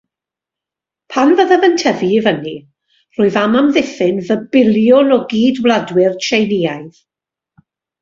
Pan fyddaf yn tyfu i fyny, rwyf am amddiffyn fy biliwn o gydwladwyr Tsieineaidd!